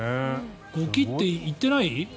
ゴキッていってない？